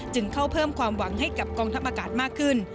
จึงเข้าเพิ่มความหวังให้กับกองทัพอากาศมากขึ้น